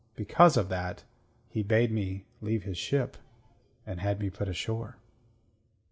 Because of that he bade me leave his ship, and had me put ashore."